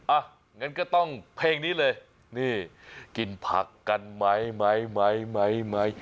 อ่ะงั้นก็ต้องเพลงนี้เลยนี่กินผักกันไหมไหม